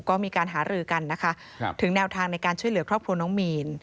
ก็มีการหารือกันนะคะถึงแนวทางในการช่วยเหลือครอบครัวน้องมีน